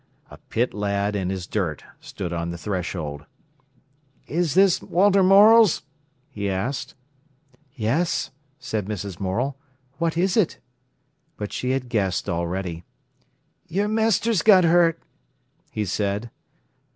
A pit lad in his dirt stood on the threshold. "Is this Walter Morel's?" he asked. "Yes," said Mrs. Morel. "What is it?" But she had guessed already. "Your mester's got hurt," he said.